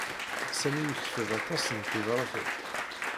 Sami yekteb aṭas n tebṛatin.